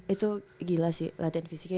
itu gila sih latihan fisiknya